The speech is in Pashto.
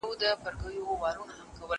زه بايد لرګي راوړم؟!